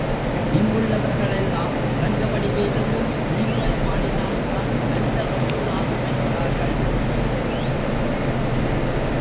இங்குள்ளவர்களெல்லாம் ரங்கவடி வேலுவும் நீங்களும் ஆடினால்தான் நல்ல வசூலாகுமென்கிறார்கள்.